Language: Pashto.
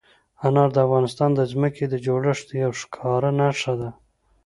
انار د افغانستان د ځمکې د جوړښت یوه ښکاره نښه ده.